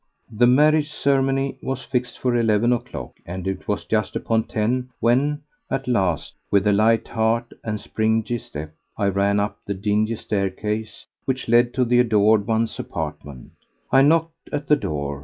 The marriage ceremony was fixed for eleven o'clock, and it was just upon ten when, at last, with a light heart and springy step, I ran up the dingy staircase which led to the adored one's apartments. I knocked at the door.